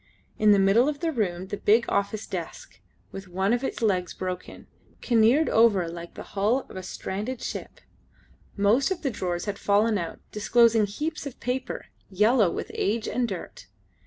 In the middle of the room the big office desk, with one of its legs broken, careened over like the hull of a stranded ship; most of the drawers had fallen out, disclosing heaps of paper yellow with age and dirt.